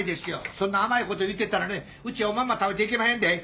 そんな甘いこと言ってたらねうちはおまんま食べていけまへんで。